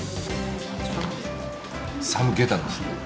サムゲタンです。